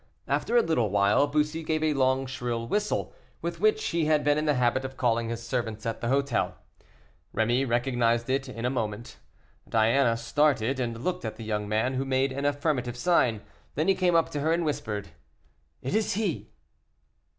After a little while, Bussy gave a long, shrill whistle, with which he had been in the habit of calling his servants at his hotel. Rémy recognized it in a moment. Diana started, and looked at the young man, who made an affirmative sign; then he came up to her and whispered: "It is he!"